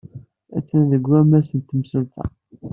Attan deg wammas n temsulta.